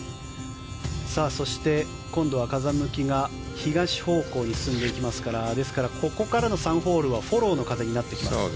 そして、今度は風向きが東方向に進んでいきますからですから、ここからの３ホールはフォローの風になってきます。